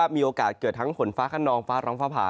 มีโอกาสเกิดทั้งฝนฟ้าขนองฟ้าร้องฟ้าผ่า